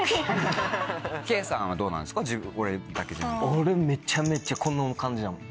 俺めちゃめちゃこの感じだもん。